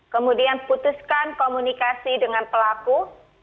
kemudian putuskan komunikasi dengan pelaku